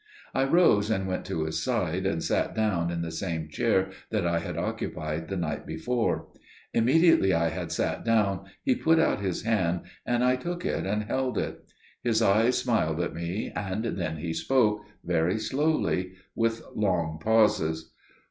I rose and went to his side, and sat down in the same chair that I had occupied the night before. Immediately I had sat down he put out his hand, and I took it and held it. His eyes smiled at me, and then he spoke, very slowly, with long pauses.